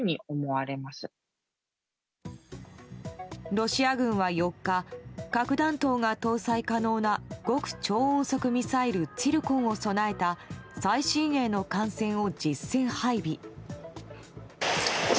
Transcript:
ロシア軍は４日核弾頭が搭載可能な極超音速ミサイルツィルコンを備えた最新鋭の艦船を実戦配備。